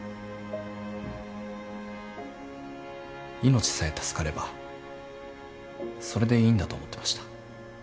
命さえ助かればそれでいいんだと思ってました。